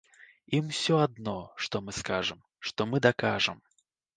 Ім усё адно, што мы скажам, што мы дакажам.